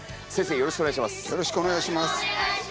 よろしくお願いします。